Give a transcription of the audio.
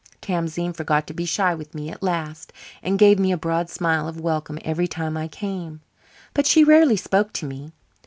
Tamzine forgot to be shy with me at last, and gave me a broad smile of welcome every time I came. But she rarely spoke to me.